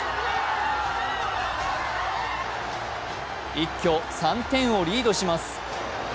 一挙３点をリードします。